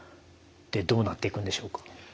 でどうなっていくんでしょうか？